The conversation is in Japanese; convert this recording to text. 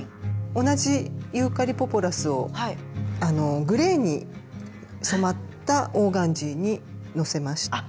同じユーカリ・ポポラスをグレーに染まったオーガンジーにのせました。